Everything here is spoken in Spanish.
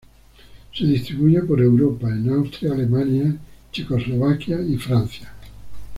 Se distribuye por Europa en Austria, Alemania, Checoslovaquia y Francia.